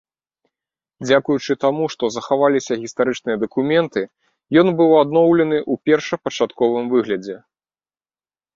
Дзякуючы таму, што захаваліся гістарычныя дакументы, ён быў адноўлены ў першапачатковым выглядзе.